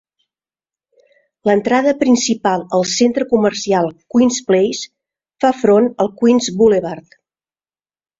L'entrada principal al centre comercial Queens Place fa front al Queens Boulevard.